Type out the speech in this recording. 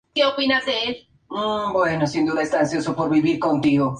Jaime Felipe, recibió dos tiros en una pierna.